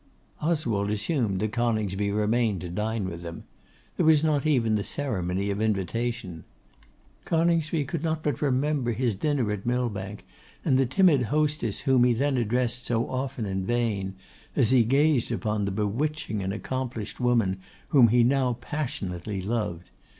Oswald assumed that Coningsby remained to dine with them. There was not even the ceremony of invitation. Coningsby could not but remember his dinner at Millbank, and the timid hostess whom he then addressed so often in vain, as he gazed upon the bewitching and accomplished woman whom he now passionately loved.